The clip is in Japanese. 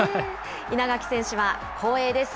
稲垣選手は、光栄です。